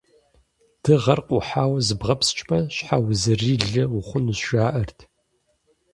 Дыгъэр къухьауэ зыбгъэпскӀмэ, щхьэузырилэ ухъунущ, жаӀэрт.